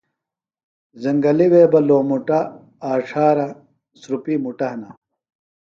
زنگلیۡ وے بہ لومُٹہ آچھارہ سُرُپی مُٹہ ہِنہ۔